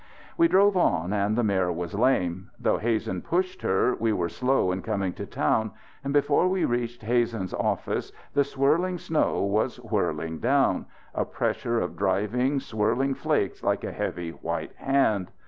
We drove on and the mare was lame. Though Hazen pushed her, we were slow in coming to town and before we reached Hazen's office the swirling snow was whirling down a pressure of driving, swirling flakes like a heavy white hand.